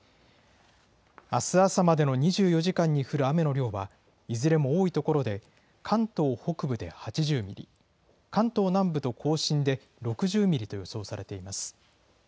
あす朝までの２４時間に降る雨の量はいずれも多い所で、関東北部で８０ミリ、関東南部と甲信で６０ミリと予想されています。